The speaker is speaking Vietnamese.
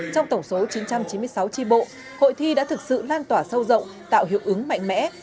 trong tổng số chín trăm chín mươi sáu tri bộ hội thi đã thực sự lan tỏa sâu rộng tạo hiệu ứng mạnh mẽ